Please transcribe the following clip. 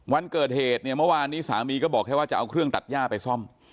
วันเกิดเหตุเนี่ยเมื่อวานนี้สามีก็บอกแค่ว่าจะเอาเครื่องตัดย่าไปซ่อม